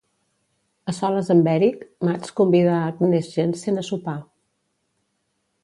A soles amb Erik, Mads convida Agnes Jensen a sopar.